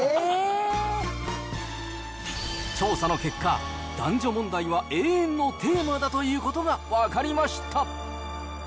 調査の結果、男女問題は永遠のテーマだということが分かりました。